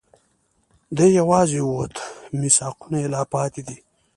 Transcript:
دی یواځي ووت، میثاقونه یې لا پاتې دي